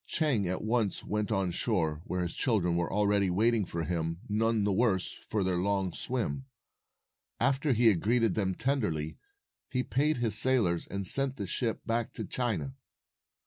Chang at once went on shore, where his children were already waiting for him, none the worse for their long swim. After he had greeted them tenderly, he paid his sailors and sent the ship back to China.